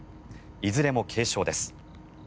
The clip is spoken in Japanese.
いずれも軽症です。